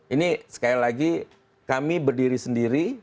ini sekali lagi kami berdiri sendiri